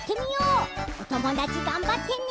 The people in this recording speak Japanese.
おともだちがんばってね！